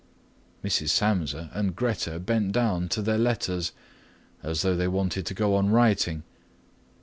Mrs. Samsa and Grete bent down to their letters, as though they wanted to go on writing.